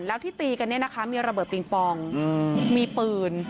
แล้วที่ตีกันเนี่ยนะคะมีระเบิดปิงปองมีปืน